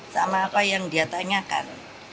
sama apa yang dia tanyakan